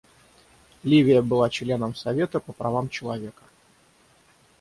Ливия была членом Совета по правам человека.